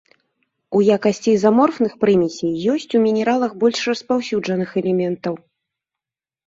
У якасці ізаморфных прымесей ёсць у мінералах больш распаўсюджаных элементаў.